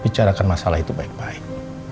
bicarakan masalah itu baik baik